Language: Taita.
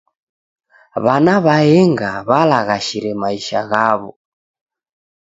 W'ana w'aenga w'alaghashire maisha ghaw'o.